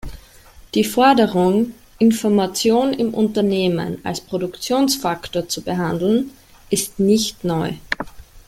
Die Forderung, Information im Unternehmen als Produktionsfaktor zu behandeln, ist nicht neu.